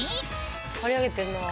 刈り上げてんなあ。